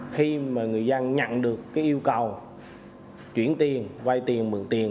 khi mà người dân nhận được cái yêu cầu chuyển tiền vay tiền mượn tiền